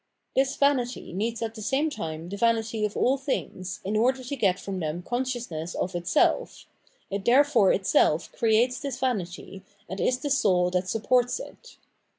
.,• x n This vanity needs at the same tune the vamty ot all things, in order to get from them consciousness of itself; it therefore itself creates this vanity, and is the soul that supports it.